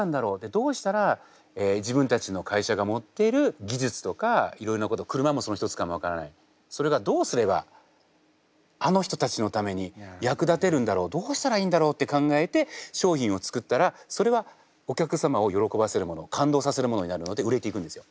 どうしたら自分たちの会社が持っている技術とかいろいろなこと車もその一つかも分からないそれがどうすればあの人たちのために役立てるんだろうどうしたらいいんだろうって考えて商品を作ったらそれはお客様を喜ばせるもの感動させるものになるので売れていくんですよ。